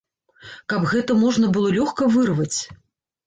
Каб гэта можна было лёгка вырваць.